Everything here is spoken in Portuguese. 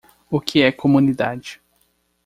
O que é Comunidade.